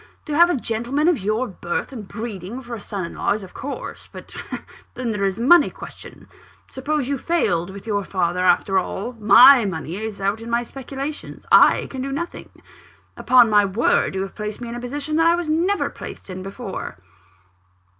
To have a gentleman of your birth and breeding for a son in law, is of course but then there is the money question. Suppose you failed with your father after all my money is out in my speculations I can do nothing. Upon my word, you have placed me in a position that I never was placed in before."